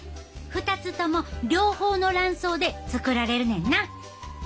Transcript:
２つとも両方の卵巣で作られるねんな。